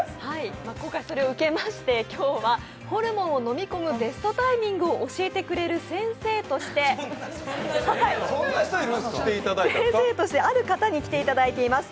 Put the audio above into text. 今回それを受けまして今日はホルモンを飲み込むベストタイミングを教えてくれる先生として、ある方に来ていただいています。